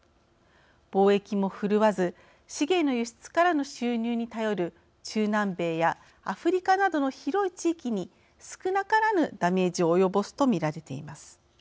貿易もふるわず資源の輸出からの収入に頼る中南米やアフリカなどの広い地域に少なからぬダメージを及ぼすと見られています。